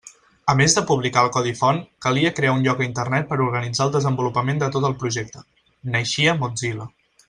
A més de publicar el codi font calia crear un lloc a Internet per organitzar el desenvolupament de tot el projecte: naixia Mozilla.